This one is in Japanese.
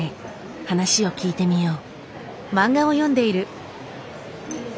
話を聞いてみよう。